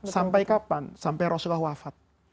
sampai kapan sampai rasulullah wafat